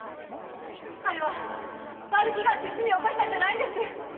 彼は悪気があって罪を犯したんじゃないんです。